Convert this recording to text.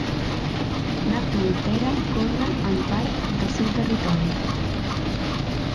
La frontera corre en part del seu territori.